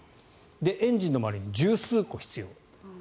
エンジンの周りに１０数個必要。